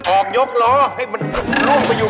ออกยกล้อให้มันล่วงมาอยู่ตรงพื้นนั่นแหละ